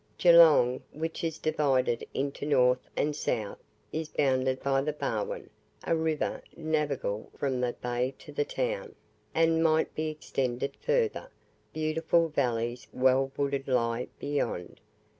Geelong, which is divided into north and south, is bounded by the Barwin, a river navigable from the bay to the town, and might be extended further; beautiful valleys well wooded lie beyond.